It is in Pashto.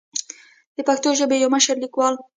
د پښتو ژبې يو مشر ليکوال